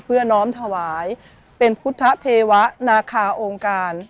น้อมถวายเป็นพุทธเทวะนาคาองค์การ